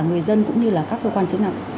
người dân cũng như là các cơ quan chứng nặng